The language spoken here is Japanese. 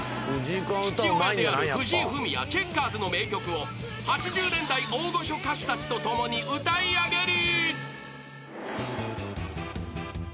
［父親である藤井フミヤチェッカーズの名曲を８０年代大御所歌手たちと共に歌い上げる］